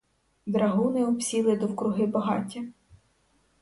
Драгуни обсіли довкруги багаття.